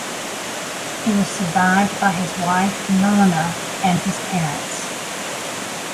He was survived by his wife, Myrna, and his parents.